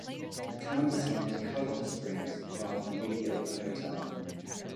The town decided to cover the springs rather than rebuild the hotel.